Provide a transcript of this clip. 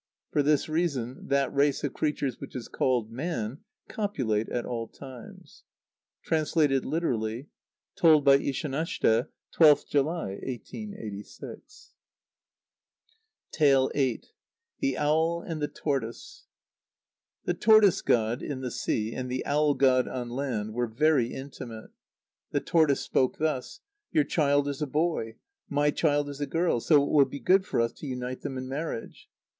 For this reason, that race of creatures which is called man copulate at all times. (Translated literally. Told by Ishanashte, 12th July, 1886). viii. The Owl and the Tortoise. The tortoise[ god] in the sea and the owl[ god] on land were very intimate. The tortoise spoke thus: "Your child is a boy. My child is a girl. So it will be good for us to unite them in marriage.